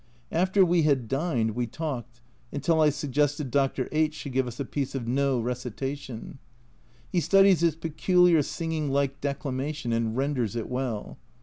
After we had dined we talked, until I suggested Dr. H should give us a piece of No recitation ; he studies its peculiar singing like declamation and renders it well.